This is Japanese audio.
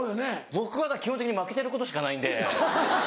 僕は基本的に負けてることしかないんで。